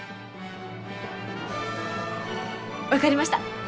分かりました！